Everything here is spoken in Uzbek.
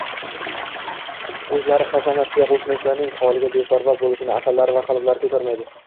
o‘zlari hashamatga, qo‘shnisining holiga beparvo bo‘lishini aqllari va qalblari ko‘tarmaydi.